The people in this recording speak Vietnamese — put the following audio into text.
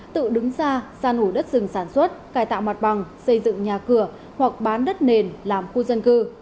tự đứng xa san hủ đất rừng sản xuất cài tạo mặt bằng xây dựng nhà cửa hoặc bán đất nền làm khu dân cư